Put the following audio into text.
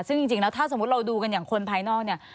ซึ่งจริงแล้วถ้าสมมุติเราดูกันอย่างคนภายนอกเนี่ย